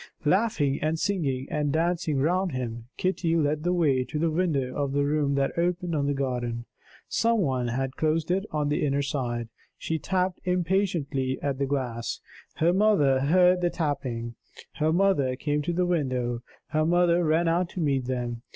Laughing and singing and dancing round him, Kitty led the way to the window of the room that opened on the garden. Some one had closed it on the inner side. She tapped impatiently at the glass. Her mother heard the tapping; her mother came to the window; her mother ran out to meet them.